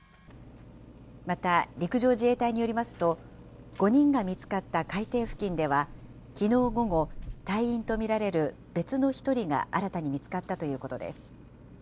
また、陸上自衛隊によりますと、５人が見つかった海底付近では、きのう午後、隊員と見られる別の１人が新たに見つかったということです。